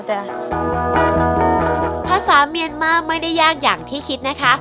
ภาษาเมียนมาร์ไม่ได้ยากอย่างที่คิดนะคะ